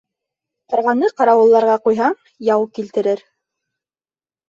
Ҡарғаны ҡарауылларға ҡуйһаң, яу килтерер.